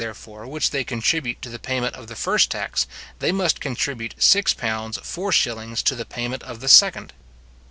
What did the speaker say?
therefore, which they contribute to the payment of the first tax, they must contribute £6:4s. to the payment of the second.